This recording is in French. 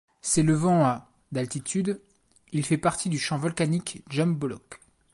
S'élevant à d'altitude, il fait partie du champ volcanique Jom Bolok.